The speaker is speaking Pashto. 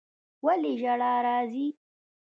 ولي ژړا راځي